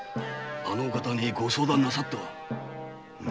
あのお方にご相談なさっては？